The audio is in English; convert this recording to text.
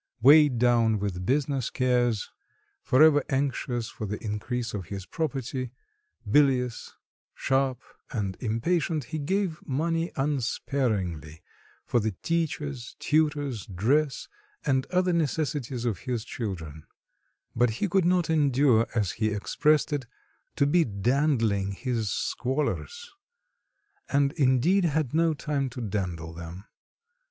Weighed down with business cares, for ever anxious for the increase of his property, bilious, sharp and impatient, he gave money unsparingly for the teachers, tutors, dress and other necessities of his children; but he could not endure, as he expressed it, "to be dandling his squallers," and indeed had no time to dandle them.